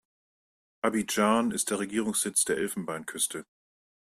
Abidjan ist der Regierungssitz der Elfenbeinküste.